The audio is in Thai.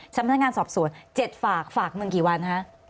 ชั้นพนักงานสอบส่วน๗ฝากฝากมึงกี่วันฮะ